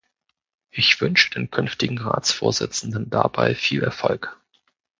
Ich wünsche den künftigen Ratsvorsitzenden dabei viel Erfolg.